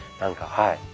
はい。